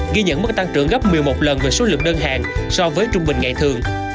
ghi nhận mức tăng trưởng gấp một mươi một lần về số lượng đơn hàng so với trung bình ngày thường